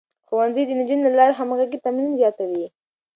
ښوونځی د نجونو له لارې د همغږۍ تمرين زياتوي.